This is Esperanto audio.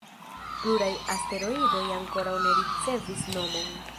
Pluraj asteroidoj ankoraŭ ne ricevis nomon.